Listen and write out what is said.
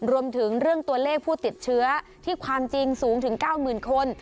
รวมถึงเรื่องตัวเลขผู้ติดเชื้อที่ความจริงสูงถึง๙๐๐คน